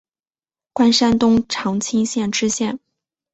官山东长清县知县。